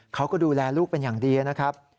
เขาก็ดูแลลูกเป็นอย่างดีนะครับ